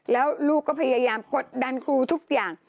แล้วลูกก็พยายามกดดันครูทุกอย่าง